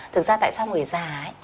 thực ra tại sao người già ấy